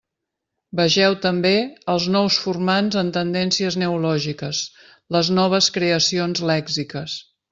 Vegeu també Els nous formants en Tendències neològiques: les noves creacions lèxiques.